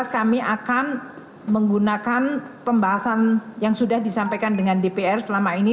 dua ribu tujuh belas kami akan menggunakan pembahasan yang sudah disampaikan dengan dpr selama ini